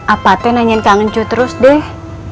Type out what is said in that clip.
apathe nanyain kangen cu terus deh